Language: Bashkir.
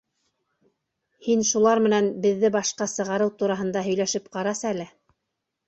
Һин шулар менән беҙҙе башҡа сығарыу тураһында һөйләшеп ҡарасәле.